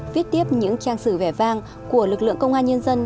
viết tiếp những trang sử vẻ vang của lực lượng công an nhân dân